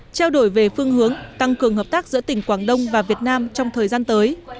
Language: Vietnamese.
trao đổi về phương hướng tăng cường hợp tác giữa tỉnh quảng đông và việt nam trong thời gian tới